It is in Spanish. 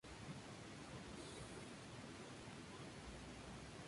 El Partido de los Agricultores representaba las necesidades de los trabajadores agrícolas.